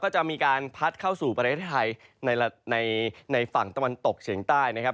ก็จะมีการพัดเข้าสู่ประเทศไทยในฝั่งตะวันตกเฉียงใต้นะครับ